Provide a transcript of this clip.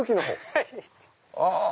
はい。